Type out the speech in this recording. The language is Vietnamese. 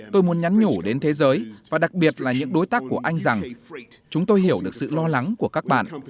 tôi muốn nhắn nhủ đến thế giới và đặc biệt là những đối tác của anh rằng chúng tôi hiểu được sự lo lắng của các bạn